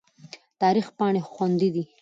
تاریخ پاڼې خوندي دي.